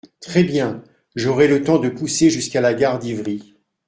Très bien !… j’aurai le temps de pousser jusqu’à la gare d’Ivry…